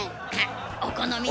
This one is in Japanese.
お好みで。